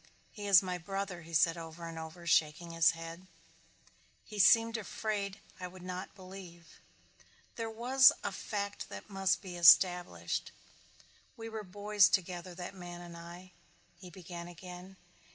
"He is my brother," he said over and over, shaking his head. He seemed afraid I would not believe. There was a fact that must be established. "We were boys together, that man and I," he began again.